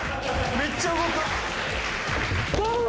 めっちゃ動く胴！